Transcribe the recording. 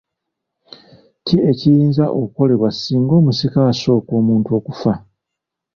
Ki ekiyinza okukolebwa singa omusika asooka omuntu okufa?